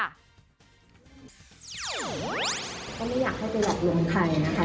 ก็ไม่อยากให้ไปหลอกลวงใครนะคะ